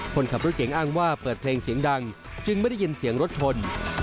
คนขับรถเก๋งอ้างว่าเปิดเพลงเสียงดังจึงไม่ได้ยินเสียงรถชน